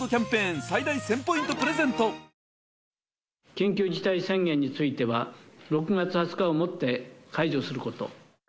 緊急事態宣言については、６月２０日をもって解除すること。